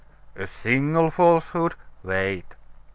"A single falsehood! Wait."